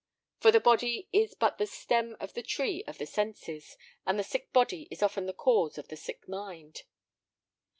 _" For the body is but the stem of the tree of the senses, and the sick body is often the cause of the sick mind.